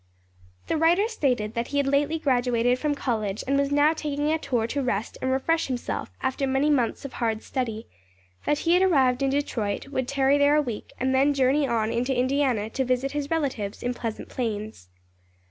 The writer stated that he had lately graduated from college and was now taking a tour to rest and refresh himself after many months of hard study; that he had arrived in Detroit, would tarry there a week and then journey on into Indiana to visit his relatives in Pleasant Plains.